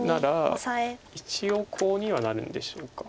一応コウにはなるんでしょうか。